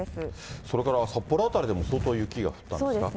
それから札幌辺りでも相当雪が降ったんですか。